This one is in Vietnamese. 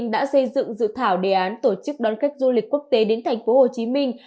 đã xây dựng dự thảo đề án tổ chức đón khách du lịch quốc tế đến thành phố hồ chí minh